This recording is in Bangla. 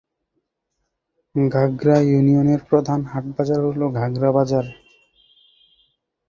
ঘাগড়া ইউনিয়নের প্রধান হাট-বাজার হল ঘাগড়া বাজার।